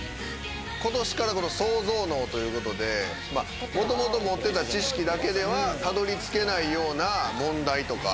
今年からソウゾウ脳ということで、もともと持っていた知識だけではたどり着けないような問題とか。